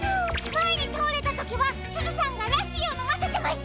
まえにたおれたときはすずさんがラッシーをのませてました。